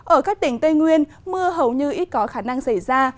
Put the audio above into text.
ở các tỉnh tây nguyên mưa hầu như ít có khả năng xảy ra